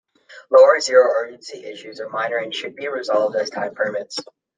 Low or zero urgency issues are minor and should be resolved as time permits.